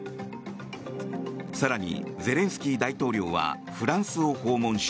更に、ゼレンスキー大統領はフランスを訪問し